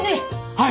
はい！